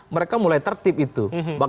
mereka mulai tertip itu